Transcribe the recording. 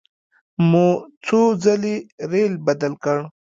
مو څو ځلې ریل بدل کړ.